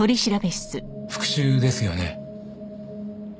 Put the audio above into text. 復讐ですよね？